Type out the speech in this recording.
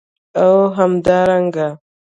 او همدارنګه